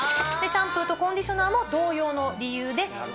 シャンプーとコンディショナーも同様の理由で、